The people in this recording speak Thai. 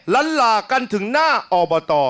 ละล่ากันถึงหน้าออบต